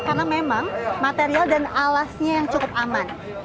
karena memang material dan alasnya yang cukup aman